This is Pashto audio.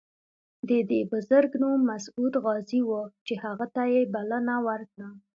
د دې بزرګ نوم مسعود غازي و چې هغه ته یې بلنه ورکړه.